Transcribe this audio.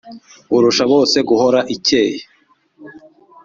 urusha bose guhora ikeye